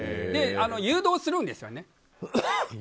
誘導するんですよね。